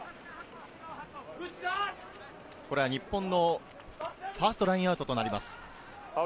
これは日本のファーストラインアウトとなります。